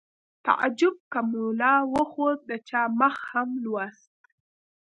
تعجب که ملا و خو د چا مخ هم لوست